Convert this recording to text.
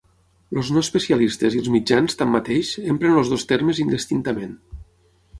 Els no especialistes i els mitjans, tanmateix, empren els dos termes indistintament.